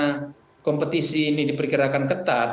dan kompetisi ini diperkirakan ketat